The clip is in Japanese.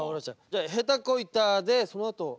じゃあ下手こいたでそのあと。